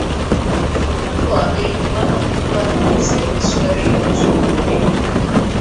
mfumuko wa bei mbona umekuwa juu zaidi sukari inauzwa elfu mbili